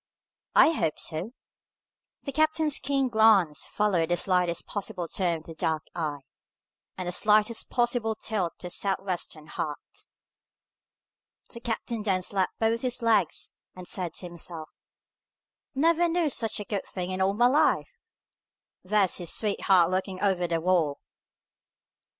"I hope so." The captain's keen glance followed the slightest possible turn of the dark eye, and the slightest possible tilt of the Sou'wester hat. The captain then slapped both his legs, and said to himself, "Never knew such a good thing in all my life! There's his sweetheart looking over the wall!"